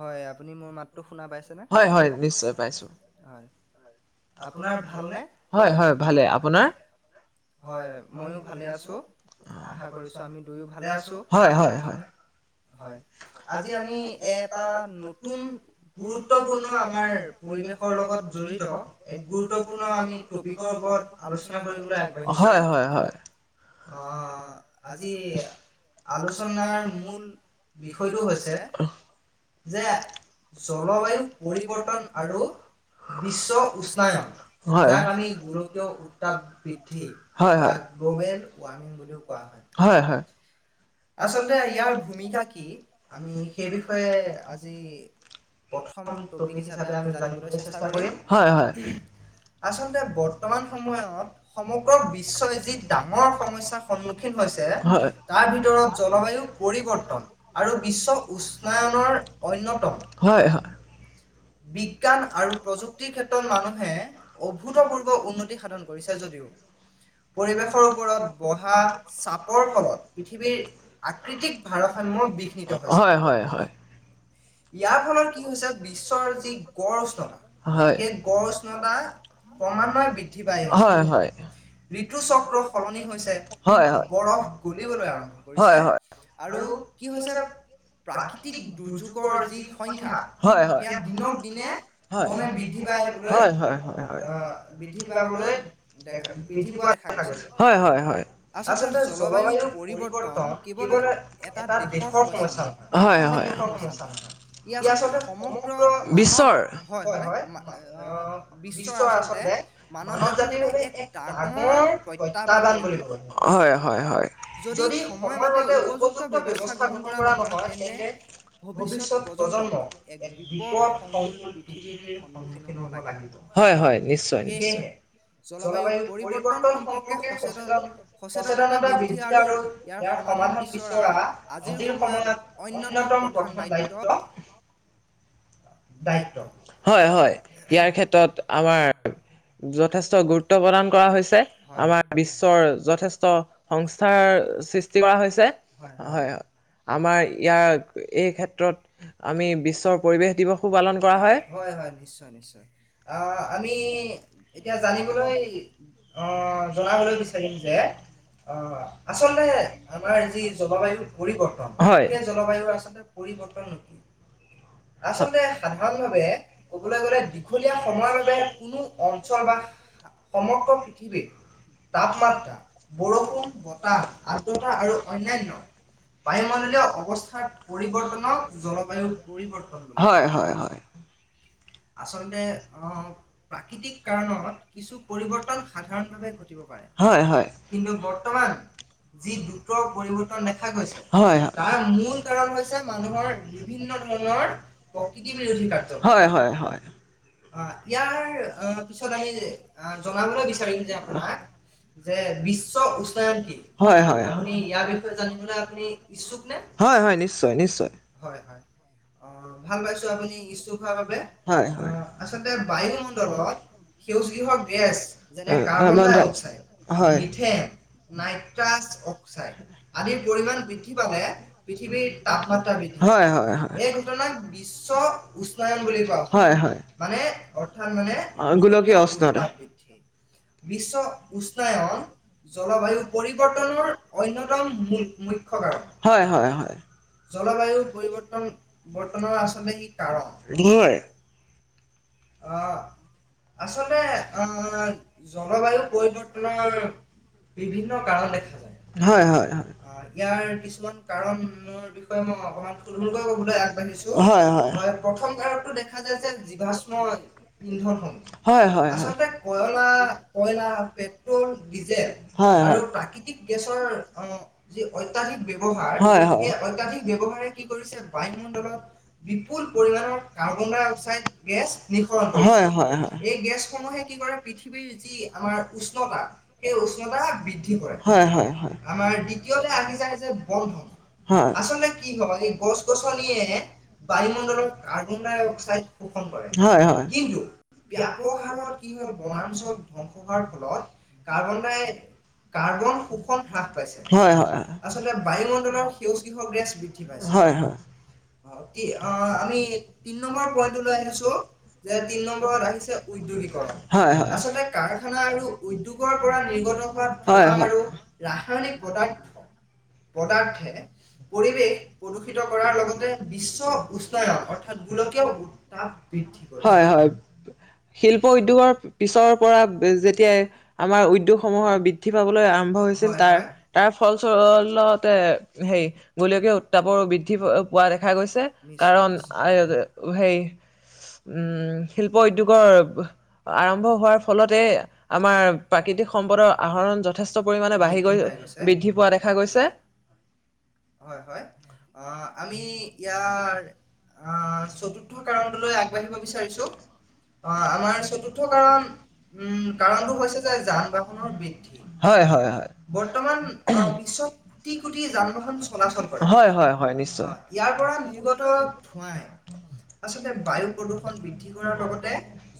হয় আপুনি মোৰ মাতটো শুনা পাইছে নে? হয়। আপোনাৰ ভালনে? হয়, হয় ভালে আপোনাৰ। আমি এটা নতুন গুৰুত্বপূৰ্ণ আমাৰ পৰিৱেশৰ লগত জড়িত এক গুৰুত্বপূৰ্ণ আমি টপিকৰ ওপৰত আলোচনা কৰিবলৈ আগবাঢ়িছো। হয়, হয়, হয়। আহ আজি আলোচনাৰ মূল বিষয়টো হৈছে যে জলবায়ু পৰিৱৰ্তন আৰু বিশ্ব উচ। হয়, গোলকীয় উত্তাপ বৃদ্ধি হয়, হয় গ্লবেল কোৱা হয়। হয়, হয়। আচলতে ইয়াৰ ভূমিকা কি আমি সেই বিষয়ে আজি প্ৰথম টপিক হিচাপে আমি জানিবলৈ চেষ্টা কৰিম আচলতে বৰ্তমান সময়ত সমগ্ৰ বিশ্বই যি ডাঙৰ। সমস্যাৰ সন্মুখীন হৈছে তাৰ ভিতৰত। জলবায়ু পৰিৱৰ্তন আৰু বিশ্ব উস্নায়নৰ অন্যতম হয় হয় বিজ্ঞান আৰু প্ৰযুক্তিৰ ক্ষেত্ৰত মানুহে অভূতপূৰ্ব উন্নতি সাধন কৰিছে যদিও পৰিৱেশৰ ওপৰত বঢ়া চাপৰ ফলত ৱীৰ আকৃতিক ভাৰসাম্যৰ বিঘ্নিত হৈছে হয় হয় ইয়াৰ ফলত কি হৈছে বিশ্ব যি গড় উষ্ণত হয় সেই গড় উষ্ণতা ক্ৰমান্বয়ে বৃদ্ধি পায় হয় হয় ঋতু চক্ৰ সলনি হৈছে হয় হয় বৰফ গুলিবলৈ আৰম্ভ কৰিছে আৰু কি হৈছে প্ৰাকৃতিক দুৰ্যোগৰ যি সংখ্যা দিন দিনে বৃদ্ধি হয় বৃদ্ধি পাবলৈ বৃদ্ধি প হয় হয় হয় আচলতে জলবায়ু পৰিৱৰ্তন কেৱল এটা দেশৰ সমস্যা নহয় হয় সমস্যা নহয় ই আচলতে সম বিশ্বৰ হয় হয় বিশ্বৰ আচলতে মানৱ জাতিৰ বাবে এক ডাঙৰ প্ৰত্যাহ্বান বুলি কোৱা হয় হয় হয় যদি সময়মতে উপযুক্ত ব্যৱস্থা গ্ৰহণ কৰা নহয় তেন্তে ভৱিষ্যত প্ৰজন্ম এক বিশষ বিপদ সংকুল পৃথিৱীৰ সন্মুখীন হব লাগিব সেয়েহে জলবায়ু পৰিৱৰ্তন সম্পৰ্কে সচেতন সচেতনতা বৃদ্ধি আৰু ইয়াৰ সমাধান বিচৰা আজিৰ সময়ত অন্যতম প্ৰথম দায়িত্ব দায়িত্ব হয় হয় ইয়াৰ ক্ষেত্ৰত আমাৰ যথেষ্ট গুৰুত্ব প্ৰদান কৰা হৈছে আমাৰ বিশ্বৰ যথেষ্ট সংস্থাৰ সৃষ্টি কৰা হৈছে হয় হয় আমাৰ ইয়াৰ এই ক্ষেত্ৰত আমি বিশ্বৰ পৰিৱেশ দিৱস পালন কৰা হয় হয় নিশ্চয় নিশ্চয় আহ আমি এতিয়া জানিবলৈ আহ জনাবলৈ বিচাৰিম যে আহ আচলতে আমাৰ যি জলবায়ুৰ পৰিৱৰ্তন সেই জলবায়ুৰ আচলতে পৰিৱৰ্তননো কি আচলতে সাধাৰণভাৱে ক'বলৈ গলে দীঘলীয়া সময়ৰ বাবে কোনো অঞ্চল বা সমগ্ৰ পৃথিৱীৰ তাপমাত্ৰা বৰষুণ বতাহ আৰ্দ্ৰতা আৰু অন্যান্য বায়ুমণ্ডলীয় অৱস্থাৰ পৰিৱৰ্তনক জলবায়ুৰ পৰিৱৰ্তন বুলি কোৱা হয় হয় হয় আচলতে আহ প্ৰাকৃতিক কাৰণত কিছু পৰিৱৰ্তন সাধাৰণ ভাৱে ঘটিব পাৰে হয় হয় কিন্তু বৰ্তমান যি দ্ৰুত পৰিৱৰ্তন দেখা গৈছে হয় হয় তাৰ মূল কাৰণ হৈছে মানুহৰ বিভিন্ন ধৰণৰ প্ৰকৃতি বিৰোধী কাৰ্যকলাপ হয় হয় হয় হয় অ ইয়াৰ পিছত আমি জনাবলৈ বিচাৰিম যে আপোনাক যে বিশ্ব উচ্চায়ণ কি আপুনি ইয়াৰ বিষয়ে জানিবলৈ আপুনি ইচ্ছুক নে হয় হয় অ ভাল পাইছো আ আপুনি ইচ্ছুক হোৱাৰ বাবে, হয় হয় আচলতে বায়ুমণ্ডলত সেউজৃহৰ গেছ যেনে, carbon dioxide, methane, nitrous oxide, আদিৰ পৰিমমান বৃদ্ধি পালে পৃথিৱীৰ তাপমাত্ৰা বৃদ্ধি পায়। হয় হয়, এই ঘটনাক বিশ্ব বিশ্ব উষ্ণায়ন বুলি কোৱা। হয় মানে, অৰ্থাৎ মানে গোলকীয় উত্তাপ বৃদ্ধি। বিশ্ব উষ্ণায়ন জলবায়ু পৰিৱৰ্তনৰ অন্যতম মূল মুখ্য কাৰণ, জলবায়ু পৰিৱৰ্তন-বৰ্তনৰ আচ আচলতে ই কাৰণ। হয় অ আচলতে আহ জলবায়ু পৰিৱৰ্তনৰ বিভিন্ন কাৰণ দেখা যায়। হয় হয় হয়, অ ইয়াৰ কিছুমান কাৰণৰ বিষয়ে মই অকমান থুলমুলকৈ কবলৈ আগবাঢ়িছো। হয় হয়, প্ৰথম কাৰকটো দেখা যায় যে জীৱাশ্মা ইন্ধন সমূহ। হয় হয়, আচলতে কয়লা, কইলা, পেট্ৰল, ডিজেল, আৰু প্ৰাকৃতিক গেছৰ যি অত্যাধিক ব্যৱহাৰ, হয় হয়, সেই অত্যাধিক ব্যৱহাৰে কি কৰিছে বায়ুমণ্ডলত বিপুল পৰিমণৰ কাৰ্বন ডাই অক্সাইড গেছ হয় হয় হয়। এই গেছ সমূহে কি কৰে পৃথিৱীৰ যি আমাৰ উষ্ণতা, সেই উষ্ণতা বৃদ্ধি কৰে। হয় হয় হয়। আমাৰ দ্বিতীয়তে আহি যায় যে বন্ধন, আচলতে কি হয় এই গছ গছনিয়ে বায়ুমণ্ডলত কাৰ্বন-ডাই-অক্সাইড শোষণ কৰে কিন্তু ব্যাপক হাৰত কি হয় বনাঞ্চল ধ্বংস হোৱাৰ ফলত কাৰ্বন ডাই, কাৰ্বন শোষণ হ্ৰাস পাইছে। হয় হয় হয়, আচলতে বায়ুমণ্ডলৰ সেউজ গৃহ গ্ৰেছ বৃদ্ধি পাইছে। আমি তিন নম্বৰ প [unintelligible] যে তিন নম্বৰত আহিছে উদ্যোগীকৰণ, আচলতে কাৰখানা আৰু উদ্যোগৰ পৰা নিৰ্গত হোৱা ধোঁৱা আৰু ৰাসায়নিক পদাৰ্থ পদাৰ্থে, পৰিৱেশ প্ৰদূষিত কৰাৰ লগতে বিশ্ব উষ্ণায়ন অৰ্থাৎ গোলকীয় উ আ বৃদ্ধি [unintelligible] হয় হয়। শিল্প উদ্যোগৰ পিছৰ পৰা যেতিয়াই আমাৰ উদ্যোগসমূহৰ বৃদ্ধি পাবলৈ আৰম্ভ হৈছিল তাৰ তাৰ ফলচলতে, হেই গোলকীয় উত্তাপৰ বৃদ্ধি অ পোৱা দেখা গৈছে কাৰণ আহ সেই উম, শিল্প উদ্য আৰম্ভ হোৱাৰ ফলতে আমাৰ প্ৰাকৃতিক সম্পদৰ আহৰণ যথেষ্ট পৰিমণে বাঢ়ি গৈ বৃদ্ধি পোৱা দেখা গৈছে। হয় হয়, আহ আমি ইয়াৰ আহ চতুৰ্থ কাৰণটোলৈ আগবাঢ়িব বিচাৰিছো। অ আমাৰ চতুৰ্থ কাৰণ, উ কাৰণটো হৈছে যে যান বাহনৰ বৃদ্ধি। হয় হয় হয়, বৰ্তমান বিশ্ব কোটি কোটি যান বাহন চলাচল কৰে। হয় হয় নিশ্চয়, ইয়াৰ পৰা নিৰ্গত ধোৱাই আচলতে বায়ু প্ৰদূষণ বৃদ্ধি কৰাৰ লগত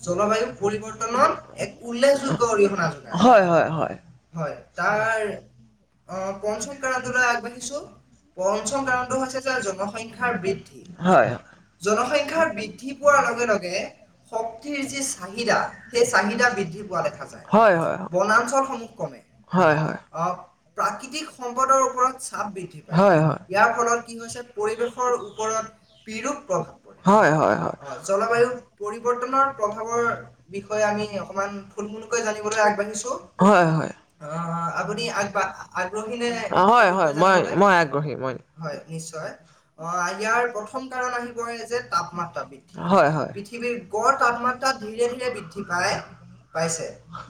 জলবায়ু পৰিৱৰ্তনত এক উল্লেখযোগ্য অৰিহণা যোগাই। হয় হয়, তাৰ অ পঞ্চম কাৰণ আগবাঢ়িছো পঞ্চম কাৰণটো হৈছে যে জনসংখ্যাৰ বৃদ্ধি। হয়, জনসংখ্যা খ্যাৰ বৃদ্ধি পোৱাৰ লগে লগে শক্তিৰ যি চাহিদা, সেই চাহিদা বৃদ্ধি পোৱা দেখা যায়। হয় হয় হয়, বনাঞ্চল সমূহ কমে হয়, অ প্ৰাকৃতিক সম্পদৰ ওপৰত চাপ বৃদ্ধি পায়, হয় হয়। ইয়াৰ ফলত কি হৈছে পৰিৱেশৰ ওপৰত পিৰূপ প্ৰভাৱ হয় হয় হয়, জলবায়ু পৰিবৰ্তনৰ প্ৰভাৱৰ বিষয়ে আমি অকমান আমি ঠুলমুলকৈ জানিবলৈ আগবাঢ়িছো। হয় হয় আহ আপুনি আগ্ৰহী নে? ‌ হয় হয় ম‌ই ম‌ই আগ্ৰহী, হয় নিশ্চয়, অ ইয়াৰ প্ৰথম কাৰণ আহি পৰে। তাপমাত্ৰা বৃদ্ধি হয় হয়। গড় তাপমাত্ৰা ধীৰে ধীৰে বৃদ্ধি পাই পাইছে,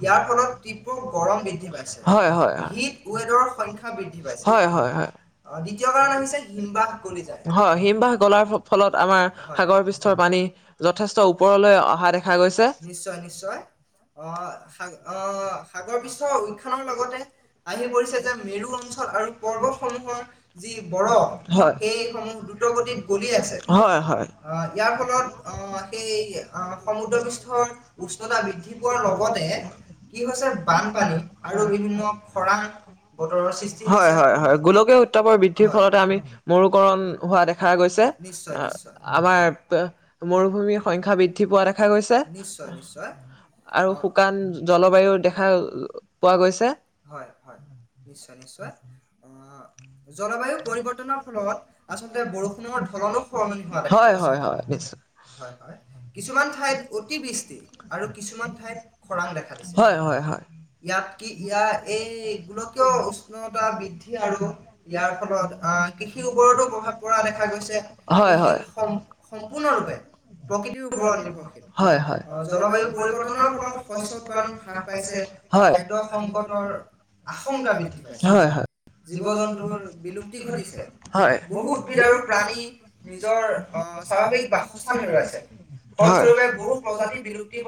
ইয়াৰ ফলত তীব্ৰ গৰম বৃদ্ধি পাইছে। হয় হয় হিট ৱেদৰ সংখ্যা বৃদ্ধি পাইছে। হয় হয় হয়, দ্বিতীয় কাৰণ আহিছে হিমবাস গলি যায়। হয় হিমবাস গলাৰ ফলত আমাৰ [unintelligible] সাগৰ পৃষ্ঠৰ পানী যত। যথেষ্ট ওপৰলৈ অহা দেখা গৈছে। নিশ্চয় নিশ্চয়, আহ স আহ সাগৰ পৃষ্ঠৰ উশানৰ লগতে আহি পৰিছে যে মেৰু অঞ্চল আৰু পৰ্বতসমূহৰ যি বৰফ হয় সেইসমূহ দ্ৰুত গতিত গলি আছে। হয় হয় অ ইয়াৰ ফলত। আহ সেই সমুদ্ৰ পষ্ঠৰ উষ্ণতা বৃদ্ধি পোৱাৰ লগতে কি হৈছে বানপানী আৰু বিভিন্ন খৰা বতৰৰ সৃষ্টিৰ হৈছে হয় হয় হয় গোলকীয় উত্তাপৰ বৃদ্ধিৰ ফলতে আমি মৰুকৰণ হোৱা দেখা গৈছে, নিশ্চয় নিশ্চয়। আমাৰ। নিশ্চয় নিশ্চয় অঁ হয় হয় নিশ্চয় নিশ্চয় অঁ, জলবায়ু পৰিৱৰ্তনৰ ফলত, আচলতে বৰষুণৰ ধৰণৰ সলনি শুৱা দেখা গৈছে, হয় হয় হয়। হয় হয় কিছুমান ঠাইত অতি বৃষ্টি আৰু কিছুমান ঠাইত খৰাং দেখা যায়, হয় হয় হয় ইয়াত কি ইয়াৰ এই গোলকীয় উষ্ণতা বৃদ্ধি আৰু। ইয়াৰ ফলত আহ কৃষিৰ ওপৰতো প্ৰভাৱ পৰা দেখা গৈছে, হয় হয়। সম্পূৰ্ণৰূপে প্ৰকৃতিৰ ওপৰত নিৰ্ভৰশীল। জলবায়ু পৰিৱৰ্তনৰ ফলত শস্য উৎপাদন হ্ৰাস পাইছে, খাদ্য সংকটৰ আশংকা বৃদ্ধি পাইছে জীৱ জন্তুৰ। হয় বহু উদ্ভিদ আৰু প্ৰাণী নিজৰ। স্বাভাৱিক বাসস্থান হেৰুৱাইছে, সকলে বহু প্ৰজাতি বিলুপ্তি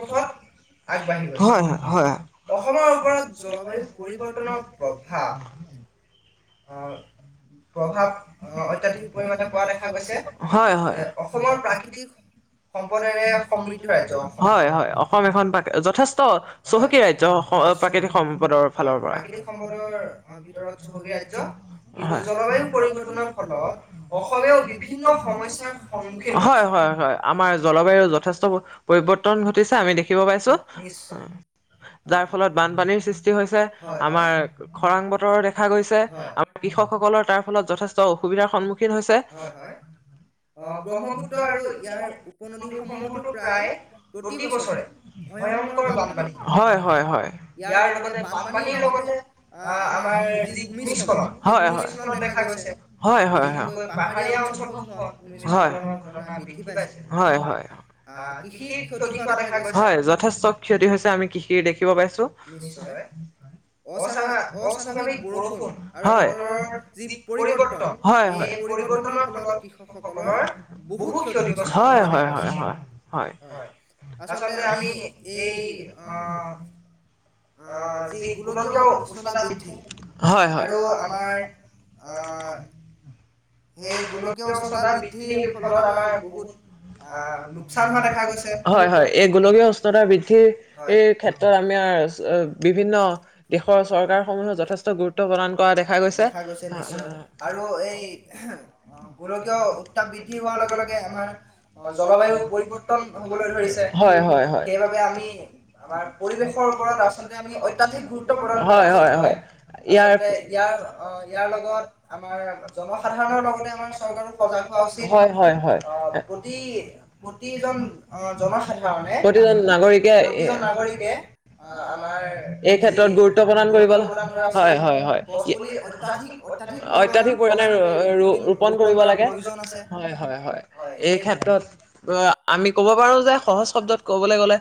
আগবাঢ়ি হয় হয় অসমৰ ওপৰত জলবায়ু পৰিৱৰ্তনৰ প্ৰভাৱ। অঁ প্ৰভাৱ অত্যাধিক পৰিণে পোৱা দেখা গৈছে হয় হয়। প্ৰাকৃতিৰ হয় হয় অসম এখন যথেষ্ট চহকী ৰাজ্য প্ৰাকৃতিক সম্পদৰ ফালৰ পৰা [unintelligible] ৰাজ্য জলবায়ু পৰিৱৰ্তনৰ ফলত, অসমেও বিভিন্ন সমস্যাই। হয় হয় হয় আমাৰ জলবায়ু যথেষ্ট। পৰিবৰ্তন ঘটিছে আমি দেখিব পাইছো। যাৰ ফলত বানপানীৰ সৃষ্টি হৈছে, আমাৰ খৰাং বতৰ দেখা গৈছে। আমাৰ কৃষকসকলৰ তাৰ ফলত যথেষ্ট অসুবিধাৰ সন্মুখীন হৈছে ব্ৰহ্মপুত্ৰ [unintelligible] প্ৰায় প্ৰতি বছৰে ভয়ংকৰ বানপানী হয়, ইয়াৰ লগতে, বানপানীৰ লগতে আঁ আমাৰ যি। ভূমিস্খলন, হয় হয় পাহাৰীয়া অঞ্চলত হয় হয় বৃদ্ধি পাইছে হয় হয়। কৃষিৰ হোৱা দেখা গৈছে, হয় যথেষ্ট ক্ষতি হৈছে আমি কৃষিৰ দেখিব পাইছো অস্বাভাৱিক। আৰু বতৰৰ যি পৰিৱৰ্তন, এই পৰিৱৰ্তনৰ ফলত কৃষকসকলৰ বহু ক্ষতিগ্ৰস্ত হোৱা দেখা গৈছে। হয় আচলতে আমি এই অঁ অঁ যি গোলকীয় উষ্ণতা পৃথক হয় হয় আৰু আমাৰ অঁ গোলীয়তা বৃদ্ধিৰ ফলত আমাৰ বহুত লোকচান হোৱা দেখা গৈছে হয় হয় এই গোলকীয় উষ্ণতা বৃদ্ধিৰ এই ক্ষেত্ৰত আমাৰ বিভিন্ন দেশৰ চৰকাৰসমূহে যথেষ্ট গুৰুত্ব প্ৰদান কৰা দেখা গৈছে আৰু গোলকীয় উত্তাপ বৃদ্ধি হোৱাৰ লগে লগে আমাৰ জলবায়ু পৰিৱৰ্তন হবলৈ ধৰিছে হয় হয় সেইবাবে আমি আমাৰ পৰিৱেশৰ ওপৰত আ অত্যধিক গুৰুত্বপূৰ্ণ হয় হয় হয় ইয়াৰ ইয়াৰ ইয়াৰ লগত আমাৰ জ হয় প্ৰতিজন জনসাধাৰণে প্ৰতিজন নাগৰিকে এই ক্ষেত্ৰত গুৰুত্ব প্ৰদান কৰিব হয় হয় হয় অত্যাধিক পৰিমাণে ৰোপণ কৰিব লাগে, হয়-হয়-হয় এই ক্ষেত্ৰত আমি ক'ব পাৰোঁ যে সহজ শব্দত ক'বলৈ গ'লে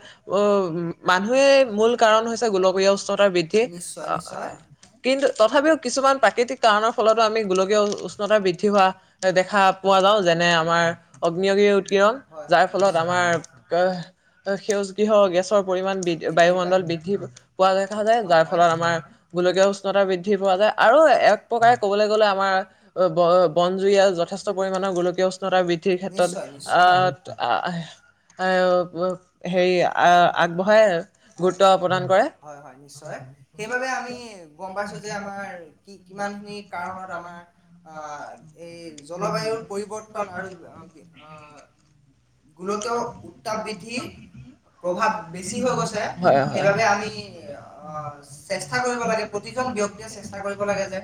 মানুহে মূল কাৰণ হৈছে, গোলকীয় উষ্ণতা বৃদ্ধি কিন্তু তথাপিও কিছুমান প্ৰাকৃতিক কাৰণৰ ফলতো আমি গোলকীয় উ উষ্ণতা বৃদ্ধি হোৱা দেখা পোৱা যাওঁ যেনে আমাৰ অগ্নিয়গীৰি উৎকীৰণ যাৰ ফলত, আমাৰ সেউজগৃহ গেছৰ পৰিমাণ বায়ুমণ্ডল বৃদ্ধি পোৱা দেখা যায়, যাৰ ফলত আমাৰ গোলকীয় উষ্ণতা বৃদ্ধি পোৱা যায় আৰু এক প্ৰকাৰে ক'বলৈ গ'লে, আমাৰ বনজুইযে যথেষ্ট পৰিমাণৰ গোলকীয় উষ্ণতা বৃদ্ধিৰ ক্ষেত্ৰত অ' এ হেৰি আগবঢ়াই। হয়-হয় নিশ্চয় সেইবাবে আমি গম পাইছো যে, আমাৰ কি কিমান খিনি কাৰণত আমাৰ এই জলবায়ুৰ পৰিৱৰ্তন আৰু গোলকীয় উত্তাপ বৃদ্ধি প্ৰভাৱ বেছি হৈ গৈছে। সেইবাবে আমি চেষ্টা কৰিব লাগে, প্ৰতিজন ব্যক্তিয়ে চেষ্টা কৰিব লাগে যে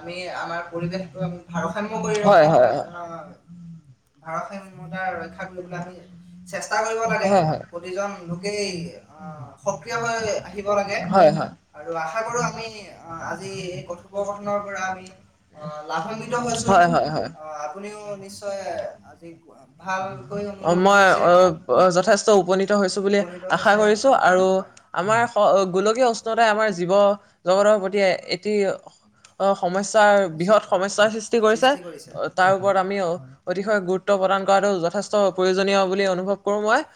আমি আমাৰ পৰিৱেশ তটো আমি ভাৰসাম্য কৰি ৰখাত সহায় আহ, ভাৰসাম্যতাৰ ৰক্ষা কৰিবলৈ আমি চেষ্টা কৰিব লাগে, প্ৰতিজন লোকেই আহ, আশা কৰো আমি আজি কথোপকথনৰ পৰা আমি লাভ। অসম্বিত হৈছো আহ আপুনিও নিশ্চয় আজি ভালকৈ অনুভৱ কৰিছে উপনীত হৈছে। আমাৰ গোলকীয় উষ্ণতাই, আমাৰ জীৱ জগতৰ প্ৰতি এটি সমস্যাৰ বৃহৎ সৃষ্টি কৰিছে তাৰ ওপৰত আমি অতিশয় গুৰুত্ব প্ৰদান কৰাটো যথেষ্ট প্ৰয়োজনীয় বুলি অনুভৱ কৰো মই।